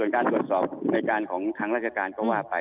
การตรวจสอบในการของทางราชการก็ว่าไป